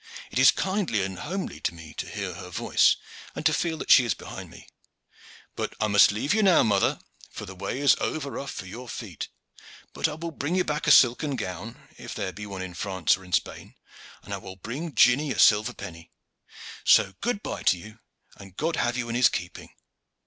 It is kindly and homely to me to hear her voice and to feel that she is behind me. But I must leave you now, mother, for the way is over rough for your feet; but I will bring you back a silken gown, if there be one in France or Spain, and I will bring Jinny a silver penny; so good bye to you, and God have you in His keeping!"